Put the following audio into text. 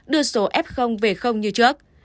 đưa số f về như trước